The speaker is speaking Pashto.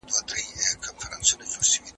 پولیس د پېښې ځای ته د پلټني لپاره ځي.